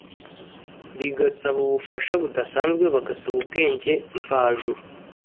bigasaba ubufasha budasanzwe, bagasaba ubwenge mvajuru,